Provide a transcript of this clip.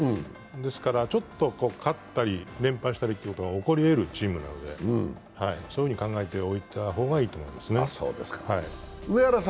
ですから、ちょっと勝ったり、連敗したりということが起こり得るチームなので、そういうふうに考えておいた方がいいと思うんですね。